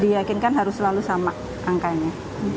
diyakinkan harus selalu sama angkanya